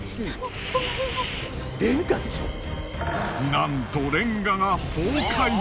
なんとレンガが崩壊！